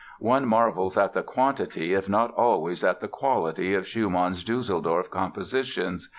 One marvels at the quantity if not always at the quality of Schumann's Düsseldorf compositions.